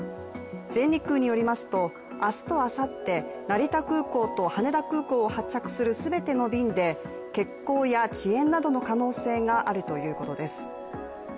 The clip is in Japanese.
全日空によりますと、明日とあさって、成田空港と羽田空港を発着するすべての便で欠航や遅延などの可能性があるということです